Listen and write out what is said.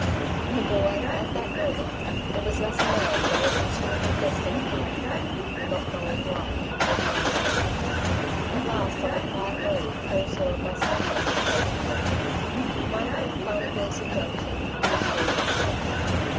To the boy, at that moment, he was less a man than an instrument of Destiny guiding him, not knowing why, to the Promised Land. At last on the quiet road Paul saw a bicyclist approaching them. Mindful of Barney Bill's injunction, he withdrew his head.